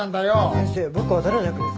先生僕は誰の役ですか？